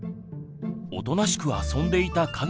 おとなしく遊んでいたかなちゃん。